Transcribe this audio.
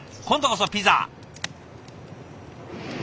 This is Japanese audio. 今度こそピザ。